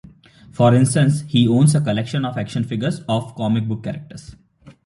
For instance he owns a collection of action figures of comic book characters.